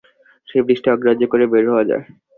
সেই বৃষ্টি অগ্রাহ্য করে বের হওয়া যায়।